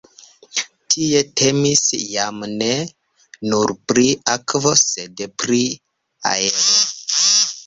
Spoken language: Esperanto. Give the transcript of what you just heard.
Tie temis jam ne nur pri akvo, sed pri aero.